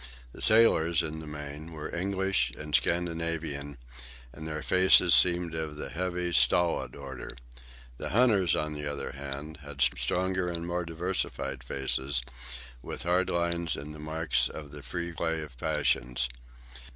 The sailors, in the main, were English and Scandinavian, and their faces seemed of the heavy, stolid order. The hunters, on the other hand, had stronger and more diversified faces, with hard lines and the marks of the free play of passions.